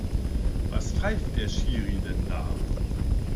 Was pfeift der Schiri denn da?